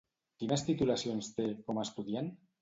Quines titulacions té, com a estudiant?